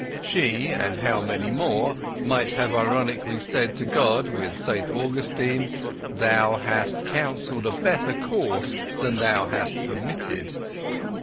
She—and how many more—might have ironically said to God with Saint Augustine: "Thou hast counselled a better course than Thou hast permitted."